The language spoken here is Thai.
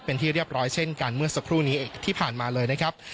เป็นที่เรียบร้อยเช่นกันเมื่อสักครู่นี้ที่ผ่านมาเลยนะครับ